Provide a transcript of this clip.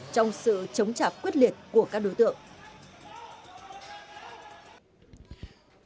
trong sự chống chạp quyết liệt của cán bộ chiến sĩ của công an quận